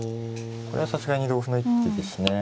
これはさすがに同歩の一手ですね。